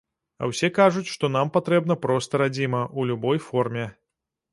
А ўсе кажуць, што нам патрэбна проста радзіма, у любой форме.